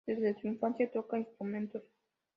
Desde su infancia toca instrumentos.